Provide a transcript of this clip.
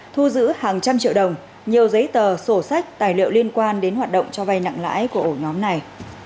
thu giữ hàng trăm triệu đồng nhiều giấy tờ sổ sách tài liệu liên quan đến hoạt động cho vay nặng lãi của ổ nhóm này